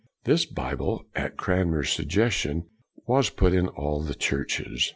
This Bible, at Cran mer's suggestion, was put in all the churches.